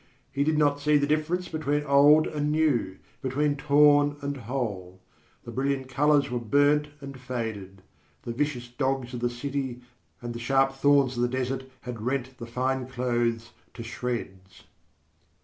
He did not see the difference between old and new, between torn and whole. The brilliant colours were burnt and faded; the vicious dogs of the city and the sharp thorns of the desert had rent the fine clothes to shreds.